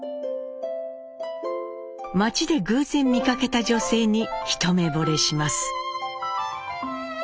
町で偶然見かけた女性に一目ぼれします。